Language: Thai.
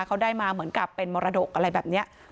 เขาได้มาเหมือนกับเป็นมรดกอะไรแบบนี้